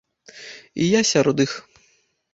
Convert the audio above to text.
І я сярод іх.